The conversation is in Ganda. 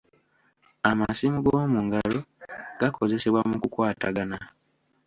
Amasimu g'omu ngalo gakozesebwa mu kukwatagana.